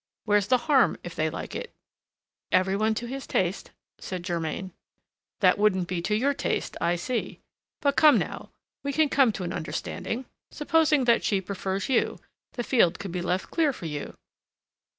Where's the harm if they like it?" "Every one to his taste!" said Germain. "That wouldn't be to your taste, I see. But come, now, we can come to an understanding: supposing that she prefers you, the field could be left clear for you."